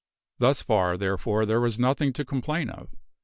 Thus far, therefore, there was nothing to complain of.